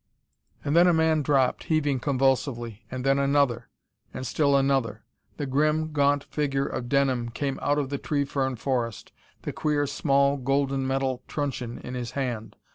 And then a man dropped, heaving convulsively, and then another, and still another.... The grim, gaunt figure of Denham came out of the tree fern forest, the queer small golden metal trunchion in his hand.